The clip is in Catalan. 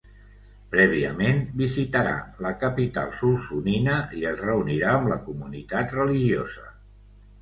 Prèviament, visitarà la capital solsonina i es reunirà amb la comunitat religiosa.